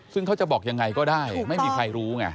ซึ่งเขาจะบอกยังไงก็ได้ไม่มีใครรู้ไง